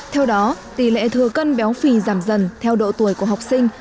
theo đó tỷ lệ thừa cân béo phì giảm dần theo độ tuổi của học sinh